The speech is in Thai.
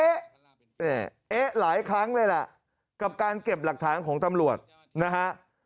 เอ๊ะเอ๊ะหลายครั้งเลยล่ะกับการเก็บหลักฐานของตำรวจนะฮะ